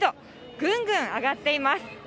ぐんぐん上がっています。